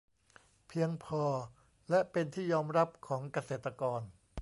เพียงพอและเป็นที่ยอมรับของเกษตรกร